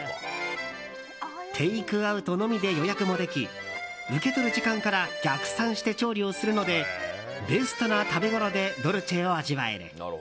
テイクアウトのみで、予約もでき受け取る時間から逆算して調理をするのでベストな食べごろでドルチェを味わえる。